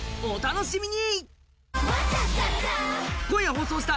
お楽しみに